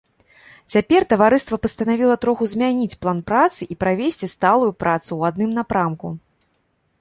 Цяпер таварыства пастанавіла троху змяніць план працы і правесці сталую працу ў адным напрамку.